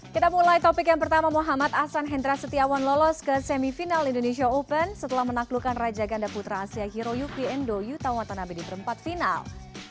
kita mulai topik yang pertama muhammad ahsan hendra setiawan lolos ke semifinal indonesia open setelah menaklukkan raja ganda putra asia hero yuki endo yuta watanabe di perempat final